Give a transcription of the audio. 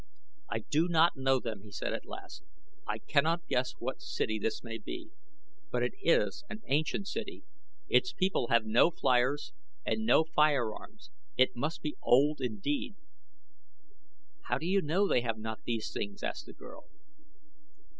"I do not know them," he said at last. "I cannot guess what city this may be. But it is an ancient city. Its people have no fliers and no firearms. It must be old indeed." "How do you know they have not these things?" asked the girl.